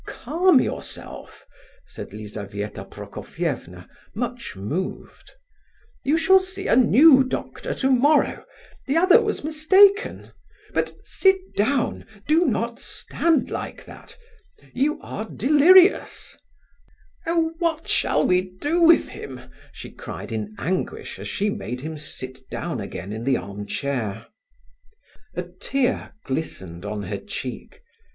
Calm yourself," said Lizabetha Prokofievna, much moved. "You shall see a new doctor tomorrow; the other was mistaken; but sit down, do not stand like that! You are delirious—" Oh, what shall we do with him she cried in anguish, as she made him sit down again in the arm chair. A tear glistened on her cheek.